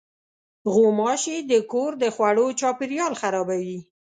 غوماشې د کور د خوړو چاپېریال خرابوي.